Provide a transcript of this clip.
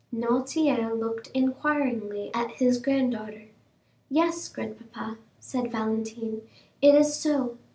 Noirtier looked inquiringly at his granddaughter. "Yes, grandpapa," said Valentine; "it is so.